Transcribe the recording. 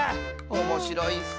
おもしろいッス！